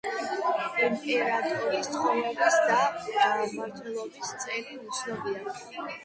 იმპერატორის ცხოვრების და მმართველობის წელი უცნობია.